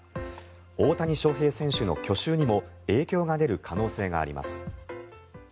大谷翔平選手の去就にも影響が出る可能性があります。